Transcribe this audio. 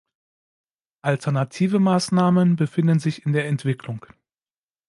Alternative Maßnahmen befinden sich in der Entwicklung.